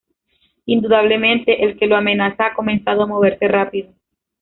Indudablemente, el que lo amenaza ha comenzado a moverse rápido.